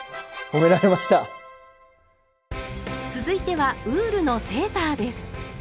続いてはウールのセーターです。